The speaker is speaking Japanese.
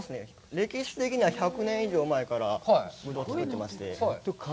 歴史的には１００年以上前からぶどうを作ってまして。